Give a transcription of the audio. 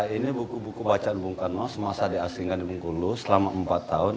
ini buku buku bacaan bung karno semasa diasingkan di bengkulu selama empat tahun